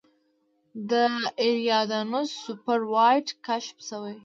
د ایریدانوس سوپر وایډ کشف شوی.